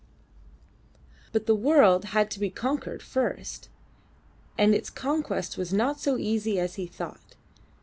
But the world had to be conquered first, and its conquest was not so easy as he thought.